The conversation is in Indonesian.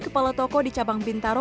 kepala toko di cabang bintaro